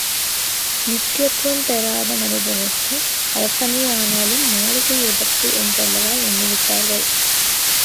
நித்யத்வம் பெறாத மனிதனுக்கு அரசனேயானாலும், மாளிகை எதற்கு என்றல்லவா எண்ணிவிட்டார்கள்.